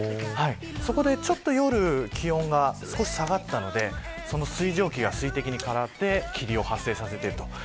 そこで、ちょっと夜に気温が下がったのでその水蒸気が水滴に変わって霧を発生させています。